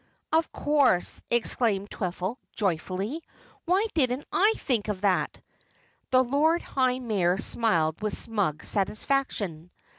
"Of course!" exclaimed Twiffle joyfully. "Why didn't I think of that?" The Lord High Mayor smiled with smug satisfaction.